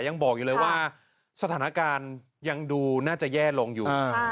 ยังบอกอยู่เลยว่าสถานการณ์ยังดูน่าจะแย่ลงอยู่